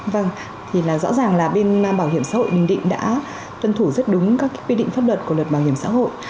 vâng thì rõ ràng là bên bảo hiểm xã hội bình định đã tuân thủ rất đúng các quy định pháp luật của luật bảo hiểm xã hội